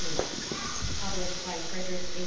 Published by Frederick A.